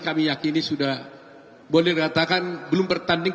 kami yakini sudah boleh dikatakan belum bertanding